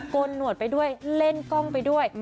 นหนวดไปด้วยเล่นกล้องไปด้วย